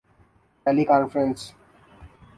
ٹیلی conferencing م